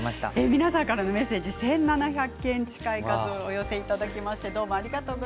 皆さんからのメッセージ１７００件近い数をお寄せいただきました。